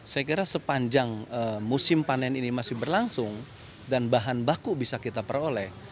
saya kira sepanjang musim panen ini masih berlangsung dan bahan baku bisa kita peroleh